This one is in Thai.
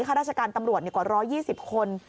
ค่าราชการตำรวจอยู่กว่า๑๒๐คน